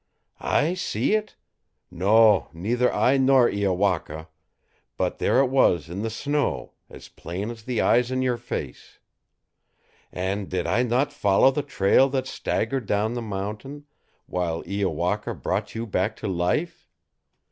"I see it? No, neither I nor Iowaka; but there it was in the snow, as plain as the eyes in your face. And did I not follow the trail that staggered down the mountain, while Iowaka brought you back to life?